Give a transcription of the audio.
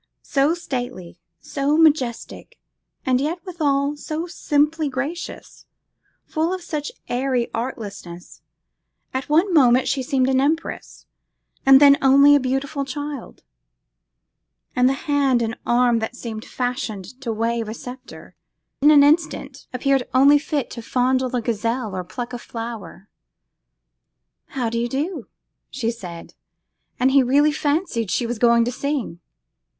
So stately, so majestic, and yet withal so simply gracious; full of such airy artlessness, at one moment she seemed an empress, and then only a beautiful child; and the hand and arm that seemed fashioned to wave a sceptre, in an instant appeared only fit to fondle a gazelle, or pluck a flower. 'How do you do?' she said; and he really fancied she was going to sing.